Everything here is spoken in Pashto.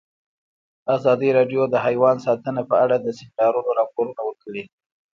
ازادي راډیو د حیوان ساتنه په اړه د سیمینارونو راپورونه ورکړي.